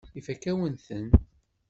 Ifakk-awen-ten.